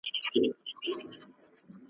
له لېوه سره په پټه خوله روان سو ,